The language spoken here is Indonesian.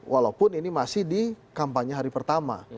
walaupun ini masih di kampanye hari pertama